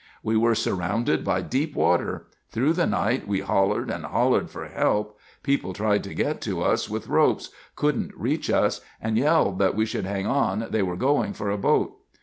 "We were surrounded by deep water. Through the night we hollered and hollered for help. People tried to get to us with ropes, couldn't reach us, and yelled that we should hang on, they were going for a boat.